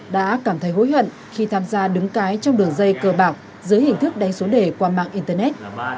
đã cảm thấy hối hận khi tham gia đứng cái trong đường dây cờ bạc dưới hình thức đáy số đề qua mạng internet